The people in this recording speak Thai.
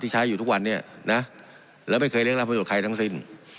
ใช้อยู่ทุกวันนี้นะแล้วไม่เคยเรียกรับประโยชน์ใครทั้งสิ้น